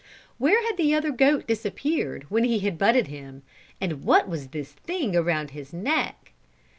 Where had the other goat disappeared when he had butted him, and what was this thing around his neck?